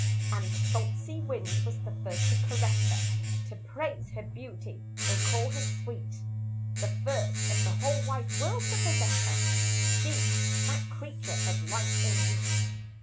And the salt sea wind was the first to caress her To praise her beauty and call her sweet, The first of the whole wide world to possess her, She, that creature of light and heat.